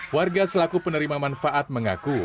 warga selaku penerima manfaat mengaku